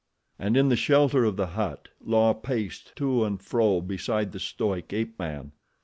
And in the shelter of the hut, La paced to and fro beside the stoic ape man.